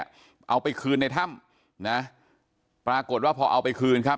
แล้วท่านผู้ชมครับบอกว่าตามความเชื่อขายใต้ตัวนะครับ